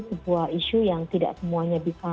sebuah isu yang tidak semuanya bisa